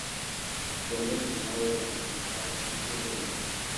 Gomez is married and has three children.